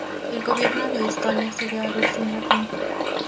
El gobierno de Estonia cedió al ultimátum.